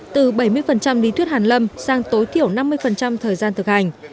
từ bảy mươi lý thuyết hàn lâm sang tối thiểu năm mươi thời gian thực hành